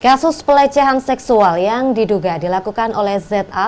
kasus pelecehan seksual yang diduga dilakukan oleh za